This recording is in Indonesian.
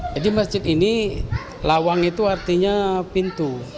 jadi masjid ini lawang itu artinya pintu